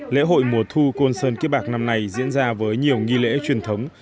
lễ hội mùa thu côn sơn kiếp bạc năm nay diễn ra với nhiều nghi lễ truyền thống